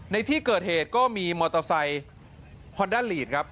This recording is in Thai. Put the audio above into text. ในที่เกิดเหตุก็มีมอเตอร์ไซค์ฮอนด้าลีดครับ